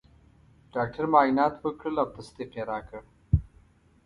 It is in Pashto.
ډاکټر معاینات وکړل او تصدیق یې راکړ.